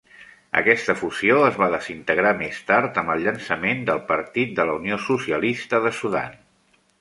Aquesta fusió es va desintegrar més tard amb el llançament del Partit de la Unió Socialista de Sudan.